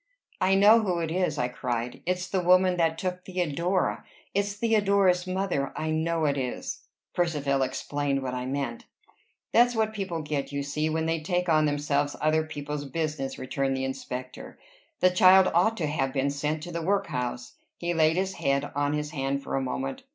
"I know, who it is!" I cried. "It's the woman that took Theodora! It's Theodora's mother! I know it is!" Percivale explained what I meant. "That's what people get, you see, when they take on themselves other people's business," returned the inspector. "That child ought to have been sent to the workhouse." He laid his head on his hand for a moment.